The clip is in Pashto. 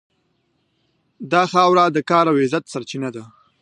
دا خاوره د کار او عزت سرچینه ده.